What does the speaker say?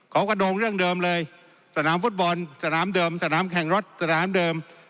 กระโดงเรื่องเดิมเลยสนามฟุตบอลสนามเดิมสนามแข่งรถสนามเดิม